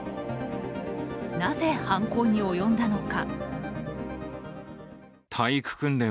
なぜ犯行に及んだのか。